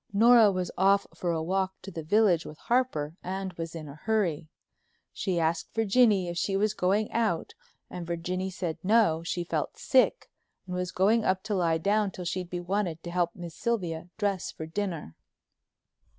Nora was off for a walk to the village with Harper and was in a hurry. She asked Virginie if she was going out and Virginie said no, she felt sick and was going up to lie down till she'd be wanted to help Miss Sylvia dress for dinner.